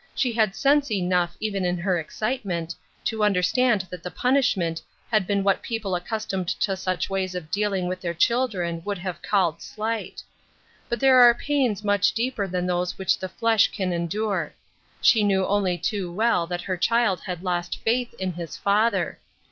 She had sense enough, even in her excitement, to understand that the punishment had been what people accustomed to such ways of dealing with their children would have called slight ; but there are pains much deeper than those which the flesh can endure. She knew only too well that her child had lost faith in his father.